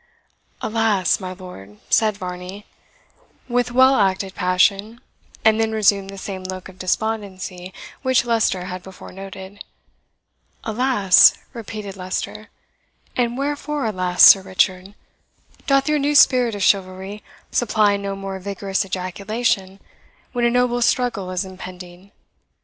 "Alas! my lord," said Varney, with well acted passion, and then resumed the same look of despondency which Leicester had before noted. "Alas!" repeated Leicester; "and wherefore alas, Sir Richard? Doth your new spirit of chivalry supply no more vigorous ejaculation when a noble struggle is impending?